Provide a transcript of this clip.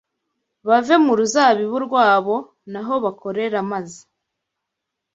bave mu ruzabibu rwabo, n’aho bakorera maze